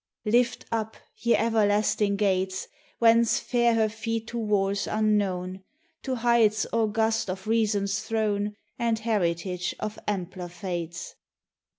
Lift up, ye everlasting gates Whence fare her feet to wars unknown, To heights august of Reason's throne. And heritage of ampler Fates!